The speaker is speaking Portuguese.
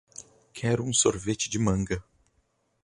Quero um sorvete de manga